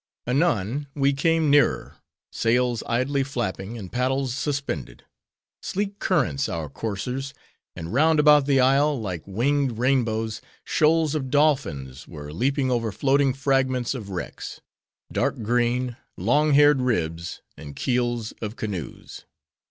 Anon we came nearer; sails idly flapping, and paddles suspended; sleek currents our coursers. And round about the isle, like winged rainbows, shoals of dolphins were leaping over floating fragments of wrecks:— dark green, long haired ribs, and keels of canoes.